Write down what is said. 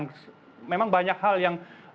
dan memang banyak hal yang